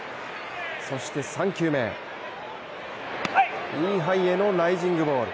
そして３球目、インハイへのライジングボール。